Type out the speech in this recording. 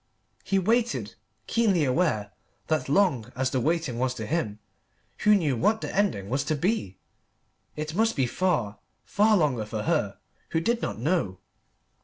He waited, keenly aware that long as the waiting was to him, who knew what the ending was to be, it must be far, far longer for her, who did not know.